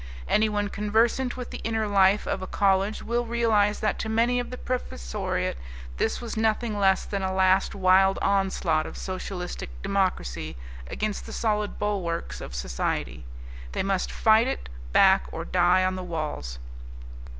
Anyone conversant with the inner life of a college will realize that to many of the professoriate this was nothing less than a last wild onslaught of socialistic democracy against the solid bulwarks of society. They must fight it back or die on the walls.